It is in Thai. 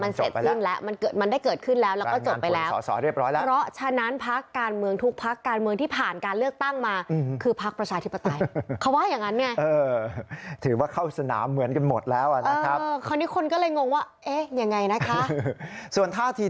มันเสร็จขึ้นแล้วมันได้เกิดขึ้นแล้วแล้วก็เกิดไปแล้ว